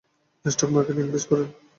Stock মার্কেটে invest করুন।